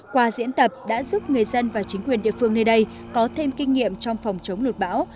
qua diễn tập đã giúp người dân và chính quyền địa phương nơi đây có thêm kinh nghiệm trong phòng chống lụt bão